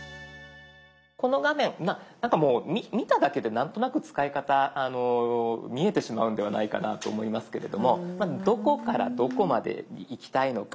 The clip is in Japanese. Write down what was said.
この画面なんかもう見ただけで何となく使い方見えてしまうんではないかなと思いますけれどもどこからどこまで行きたいのか。